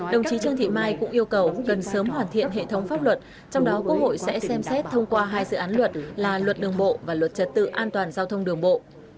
đồng chí trương thị mai cũng yêu cầu cần sớm hoàn thiện hệ thống pháp luật trong đó quốc hội sẽ xem xét thông qua hai dự án luật là luật đường bộ và luật trật tự an toàn giao thông đường bộ